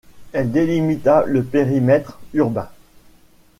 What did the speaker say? Elle délimita le périmètre urbain.